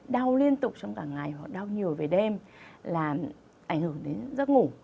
đau liên tục trong cả ngày họ đau nhiều về đêm là ảnh hưởng đến giấc ngủ